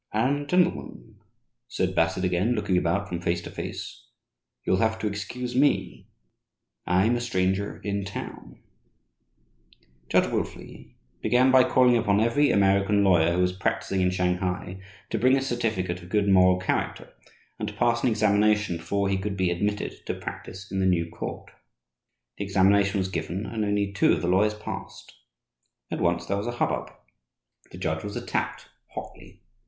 "And, gentlemen," said Bassett, again looking about from face to face, "you'll have to excuse me. I'm a stranger in town." Judge Wilfley began by calling upon every American lawyer who was practicing in Shanghai to bring a certificate of good moral character and to pass an examination before he could be admitted to practice in the new court. The examination was given, and only two of the lawyers passed. At once there was a hubbub. The judge was attacked hotly.